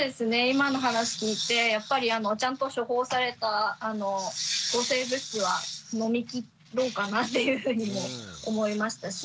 今の話聞いてやっぱりちゃんと処方された抗生物質は飲み切ろうかなっていうふうにも思いましたし